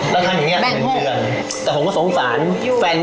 ราคาเงี้ย๑เดือนแต่ผมก็สงสารแบ่งห้ม